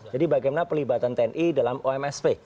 jadi bagaimana pelibatan tni dalam omsv